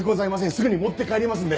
すぐに持って帰りますので！